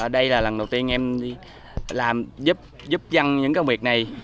đây là lần đầu tiên em làm giúp dân những công việc này